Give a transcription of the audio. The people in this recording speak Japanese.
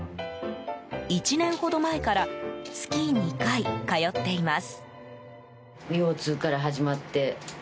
１年ほど前から月２回通っています。